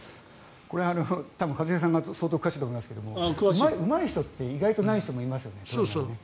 これは多分、一茂さんが相当詳しいと思いますけどうまい人って意外とない人もいますよね。